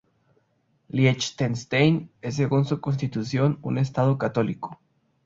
Liechtenstein es, según su constitución, un estado católico.